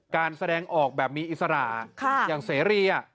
การแสดงออกแบบมีอิสระอย่างเสรี